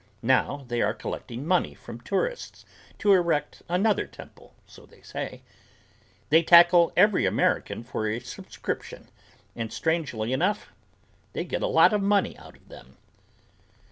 Now they are collecting money from tourists to erect another temple, so they say. They tackle every American for a subscription and strangely enough they get a lot of money out of them.